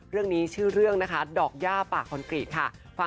เรื่องนี้ชื่อเรื่องนะคะดอกย่าปากคอนกรีตค่ะ